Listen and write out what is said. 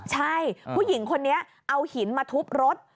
ใช่ผู้หญิงคนนี้เอาหินมาทุบรถ